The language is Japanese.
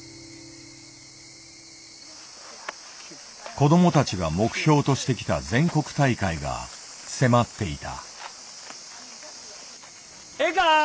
子どもたちが目標としてきた全国大会が迫っていた。